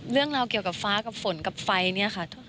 เรื่องราวเกี่ยวกับฟ้ากับฝนกับไฟเนี่ยค่ะ